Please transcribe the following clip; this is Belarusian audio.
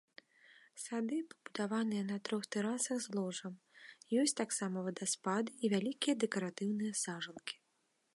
Сады пабудаваны на трох тэрасах з ложам, ёсць таксама вадаспады і вялікія дэкаратыўныя сажалкі.